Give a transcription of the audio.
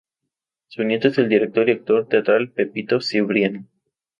Su nieto es el director y actor teatral Pepito Cibrián.